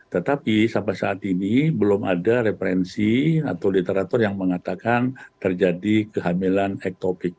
tetapi sampai saat ini belum ada referensi atau literatur yang mengatakan terjadi kehamilan hektopik